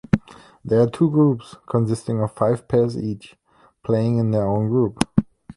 There are two groups consisting of five pairs each playing in their own group.